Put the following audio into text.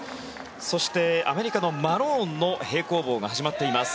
そしてアメリカのマローンの平行棒が始まっています。